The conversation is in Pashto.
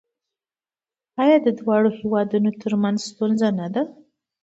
آیا دا د دواړو هیوادونو ترمنځ ستونزه نه ده؟